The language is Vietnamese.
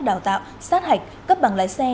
đào tạo sát hạch cấp bằng lái xe